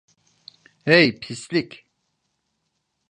Hey, pislik!